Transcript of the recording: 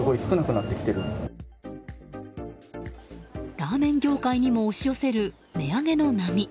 ラーメン業界にも押し寄せる値上げの波。